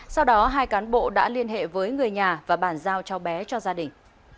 sau đó hai cán bộ đã liên hệ với người nhà và bàn giao cho bé cho gia đình